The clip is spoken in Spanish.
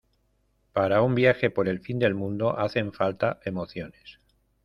para un viaje por el fin del mundo hacen falta emociones